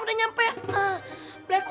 udah nyampe black hole nya kok